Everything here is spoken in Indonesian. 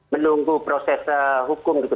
menunggu proses hukum gitu